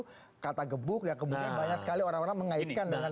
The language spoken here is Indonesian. ini membahasnya justru kata gebuk yang kebunuh banyak sekali orang orang mengaitkan